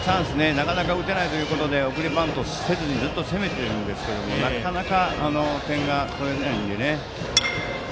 なかなか打てないということで送りバントせずにずっと攻めてるんですけどなかなか点が取れないのでね。